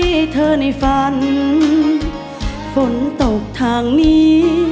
ให้เธอในฝันฝนตกทางนี้